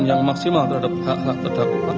yang maksimal terhadap hak hak terdakwa